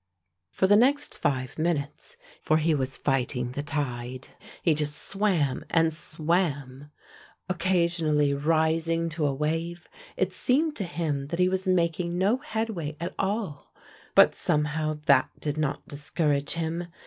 For the next five minutes, for he was fighting the tide, he just swam and swam. Occasionally rising to a wave it seemed to him that he was making no headway at all, but somehow that did not discourage him.